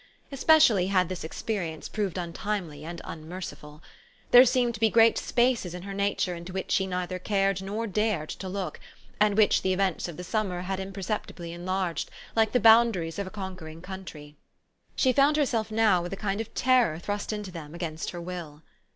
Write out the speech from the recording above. Especially had this experience proved untimely and unmerciful. There seemed to be great spaces in her nature, into which she neither cared nor dared to look, and which the events of the summer had imper ceptibly enlarged, like the boundaries of a conquer ing country. She found herself now with a kind of terror thrust into them against her will.